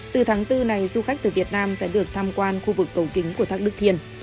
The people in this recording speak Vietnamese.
từ tháng bốn này du khách từ việt nam sẽ được tham quan khu vực cầu kính của thác đức thiên